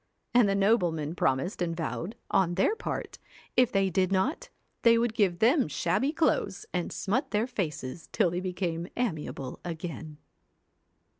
And the noblemen promised and vowed, on their part, if they did not, they would give them shabby clothes, and smut their faces till they became amiable again.